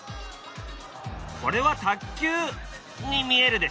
これは卓球に見えるでしょ？